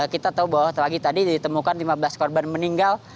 kita tahu bahwa pagi tadi ditemukan lima belas korban meninggal